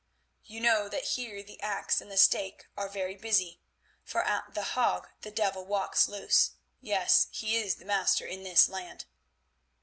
"You know that here the axe and the stake are very busy, for at The Hague the devil walks loose; yes, he is the master in this land.